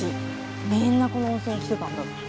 みんなこの温泉来てたんだって。